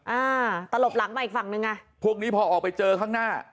อ่าตลบหลังมาอีกฝั่งหนึ่งอ่ะพวกนี้พอออกไปเจอข้างหน้า